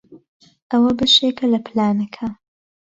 ئەوە بەشێکە لە پلانەکە.